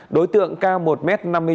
đối tượng cao một m năm mươi chín